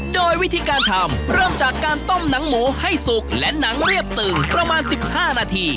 โดยวิธีการทำเริ่มจากการต้มหนังหมูให้สุกและหนังเรียบตึงประมาณ๑๕นาที